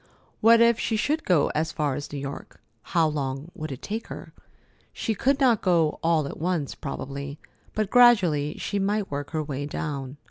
What if she should go as far as New York? How long would it take her? She could not go all at once, probably; but gradually she might work her way down.